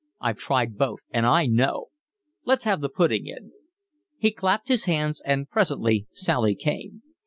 I've tried both and I know. Let's have the pudding in." He clapped his hands and presently Sally came.